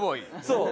そう！